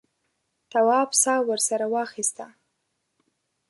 تواب سا ورسره واخیسته.